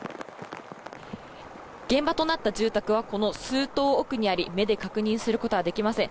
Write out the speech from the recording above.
現場となった住宅はこの数棟奥にあり目で確認することはできません。